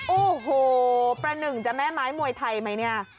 โอ้โหประหนึ่งจะแม่ไม้มวยไทยไหมเนี่ย